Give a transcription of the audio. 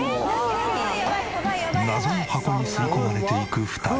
謎の箱に吸い込まれていく２人。